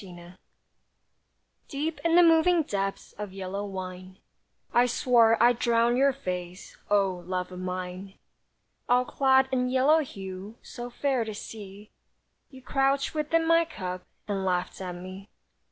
LOVE Deep in the moving depths Of yellow wine, I swore I'd drown your face, O love of mine; All clad in yellow hue, So fair to see, You crouched within my cup And laughed at me.